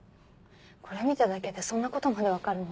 これ見ただけでそんなことまで分かるの？